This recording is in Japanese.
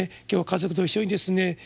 今日は家族と一緒にですね